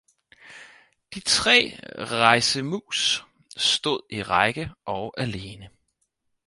de tre Reise-Muus stode i Række og alene.